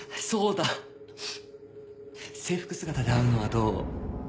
制服姿で会うのはどう？